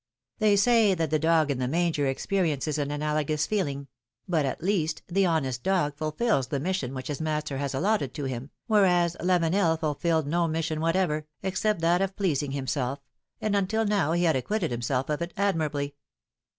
They say that the dog in the manger experiences an analogous feeling ; but at least, the honest dog fulfils the mission which his master has allotted to him, whereas Lavenel fulfilled no mission whatever, except that of pleasing himself, and until now he had acquitted himself of it admirably.